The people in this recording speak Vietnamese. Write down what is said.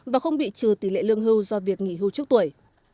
và không bị trừ tỷ lệ lương hưu do việc nghỉ hưu trước tuổi